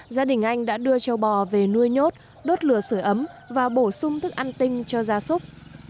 gia đình anh đã đưa châu bò về nuôi nhốt đốt lửa sửa ấm và bổ sung thức ăn tinh cho gia súc